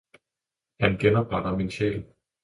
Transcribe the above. Han genopretter min sjæl.